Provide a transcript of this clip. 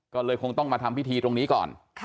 ก็เลยคงต้องมาทำพิธีตรงนี้ก่อน